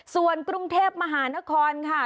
ส่วนกรุงเทพมหานครค่ะ